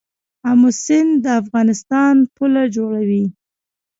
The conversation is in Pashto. امو سیند د افغانستان پوله جوړوي.